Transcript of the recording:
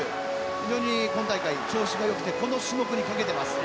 非常に今大会、調子がよくてこの種目にかけています。